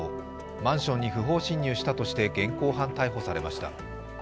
マンションに不法侵入したとして現行犯逮捕されました。